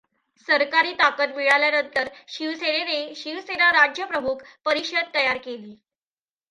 सरकारी ताकद मिळाल्यानंतर शिवसेनेने शिवसेना राज्यप्रमुख परिषद तयार केली.